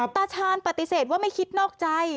ตาชาญปฏิเสธว่าไม่คิดนอกใจ